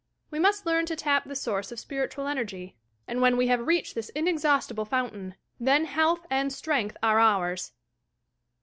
We must learn to tap the source of spiritual energy, and when we have reached this inexhaustible fountain, then health and strength are ours!